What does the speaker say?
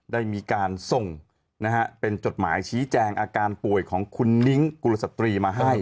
ได้มีการส่งนะฮะเป็นจดหมายชี้แจงอาการป่วยของคุณนิ้งกุลสตรีมาให้